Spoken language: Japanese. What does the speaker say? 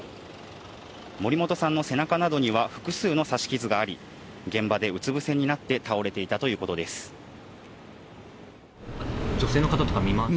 森本さんの背中などには複数の刺し傷があり、現場でうつぶせになって倒れていたということです。